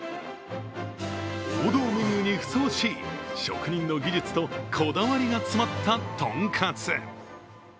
王道メニューにふさわしい職人の技術とこだわりが詰まった、とんかつ。